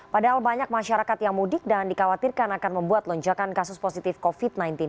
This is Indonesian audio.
padahal banyak masyarakat yang mudik dan dikhawatirkan akan membuat lonjakan kasus positif covid sembilan belas